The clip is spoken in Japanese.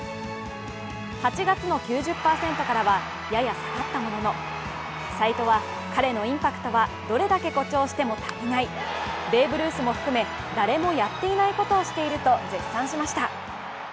８月の９０％からはやや下がったもののサイトは、彼のインパクトはどれだけ誇張しても足りない、ベーブ・ルースも含め、誰もやっていないことをしていると絶賛しました。